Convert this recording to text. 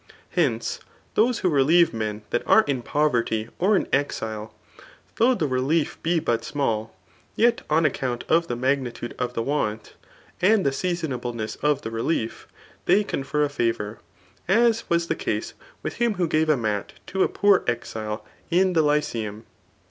Hence, those who relieve men that are in poverty or in exile, though the relief be but smalt, yet on account of the magnitude of the want, and the seasonableness of the relief, they confer a fevour ; as was the case with him who gave a mat [to a poor exile] in the Lyceum.